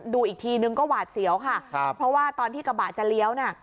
ดูอีกทีนึงก็หวาดเสียวค่ะครับเพราะว่าตอนที่กระบะจะเลี้ยวน่ะ